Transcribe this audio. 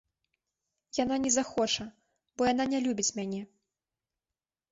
Яна не захоча, бо яна не любіць мяне.